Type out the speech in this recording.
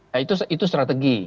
nah itu strategi